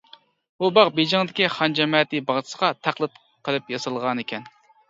بۇ باغ بېيجىڭدىكى خان جەمەتى باغچىسىغا تەقلىد قىلىپ ياسالغانىكەن.